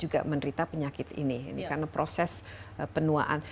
banyak orang juga menderita penyakit ini karena proses penuaan